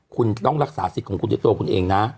คุณต้องรักษาสิทธิ์ของคุณด้วยตัวคุณเองนะ